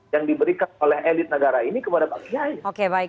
yang diberikan oleh elit negara ini kepada pak kiai